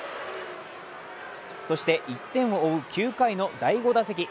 そして１点を追う９回の第５打席。